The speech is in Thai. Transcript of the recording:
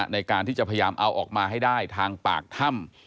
ในการที่จะพยายามเอาออกมาให้ได้ทางปากถ้ำ